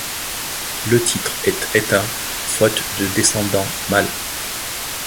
Le titre est éteint faute de descendant mâle.